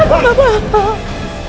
pak jangan pak